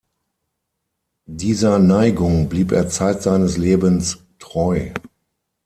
Dieser Neigung blieb er zeit seines Lebens treu.